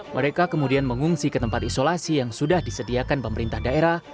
mereka kemudian mengungsi ke tempat isolasi yang sudah disediakan pemerintah daerah